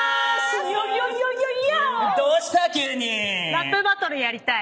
ラップバトルやりたい。